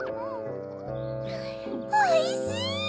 おいしい！